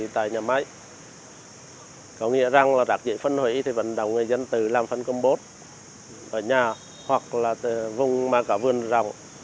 tại nhà máy có nghĩa rằng rác dễ phân hủy thì vận động người dân từ làm phân công bốt ở nhà hoặc là vùng mà cả vườn rồng